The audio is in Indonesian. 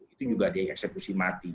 itu juga dieksekusi mati